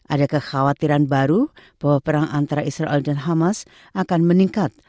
ada kekhawatiran baru bahwa perang antara israel dan hamas akan meningkat